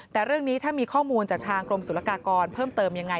แต่เรื่องนี้ถ้ามีข้อมูลจากทางกรมศุลกากรเพิ่มเติมยังไง